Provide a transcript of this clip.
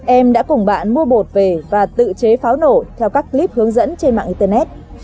em đã cùng bạn mua bột về và tự chế pháo nổ theo các clip hướng dẫn trên mạng internet